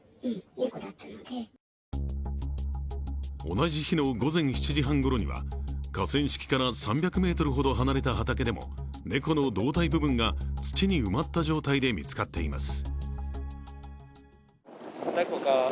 同じ日の午前７時半ごろには河川敷から３００ｍほど離れた畑でも猫の胴体部分が土に埋まった状態で見つかっています。